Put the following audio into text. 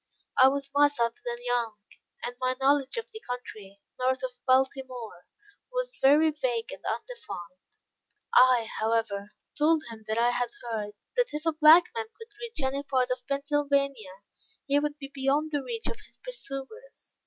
I was myself then young, and my knowledge of the country, north of Baltimore, was very vague and undefined. I, however, told him, that I had heard, that if a black man could reach any part of Pennsylvania, he would be beyond the reach of his pursuers.